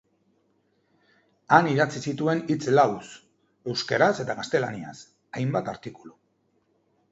Han idatzi zituen hitz lauz, euskaraz eta gaztelaniaz, hainbat artikulu.